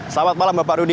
selamat malam bapak rudi